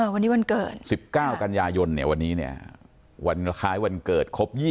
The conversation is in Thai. วันนี้วันเกิด๑๙กันยายนวันนี้เนี่ยวันคล้ายวันเกิดครบ๒๐